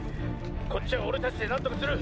こっちは俺たちで何とかする！